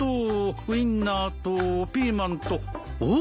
ウインナーとピーマンとおっ！